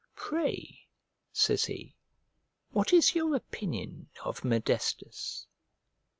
"Pray," says he, "what is your opinion of Modestus?"